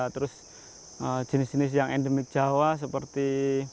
terus jenis jenis yang endemik jawa seperti